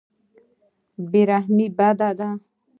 بې رحمي بده ده.